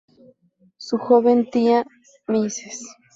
Su joven tía Mrs.